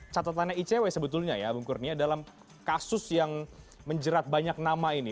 catatannya icw sebetulnya ya bung kurnia dalam kasus yang menjerat banyak nama ini